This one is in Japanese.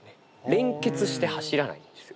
連結して走らないんですよ。